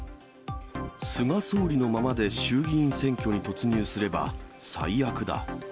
菅総理のままで衆議院選挙に突入すれば最悪だ。